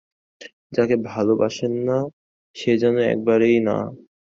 যাকে ভালোবাসেন না, সে যেন একেবারেই নাই।